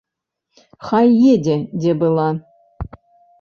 Хай едзе, дзе была.